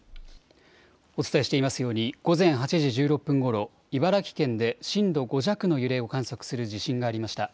お伝えしていますように午前８時１６分ごろ茨城県で震度５弱の揺れを観測する地震がありました。